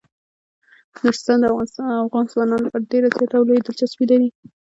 نورستان د افغان ځوانانو لپاره ډیره زیاته او لویه دلچسپي لري.